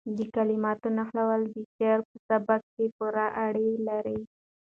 د کلماتو نښلول د شاعر په سبک پورې اړه لري.